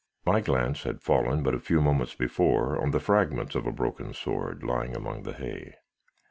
"My glance had fallen, but a few moments before, on the fragments of a broken sword, lying among the hay.